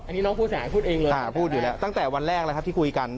อันนี้น้องผู้เสียหายพูดเองเลยพูดอยู่แล้วตั้งแต่วันแรกแล้วครับที่คุยกัน